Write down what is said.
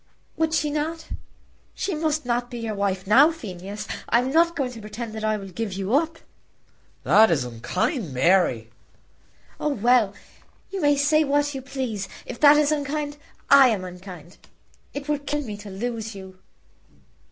"Would she not? She must not be your wife now, Phineas. I am not going to pretend that I will give you up." "That is unkind, Mary." "Oh, well; you may say what you please. If that is unkind, I am unkind. It would kill me to lose you."